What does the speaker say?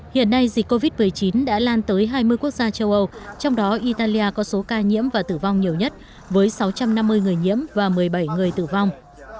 hiện nay dịch covid một mươi chín đã lan tới hai mươi quốc gia châu âu trong đó italia có số ca nhiễm và tử vong nhiều nhất với sáu trăm năm mươi người nhiễm và một mươi bảy người tử vong